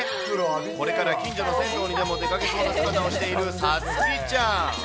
これから近所の銭湯にでも出かけそうな姿をしているさつきちゃん。